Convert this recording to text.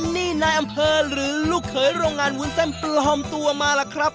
นี่นายอำเภอหรือลูกเขยโรงงานวุ้นเส้นปลอมตัวมาล่ะครับ